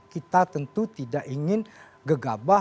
kita tentu tidak ingin gegabah